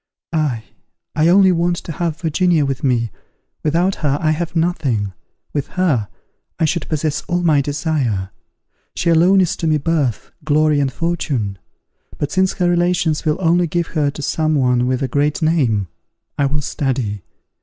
_ Ah! I only want to have Virginia with me: without her I have nothing, with her, I should possess all my desire. She alone is to me birth, glory, and fortune. But, since her relations will only give her to some one with a great name, I will study.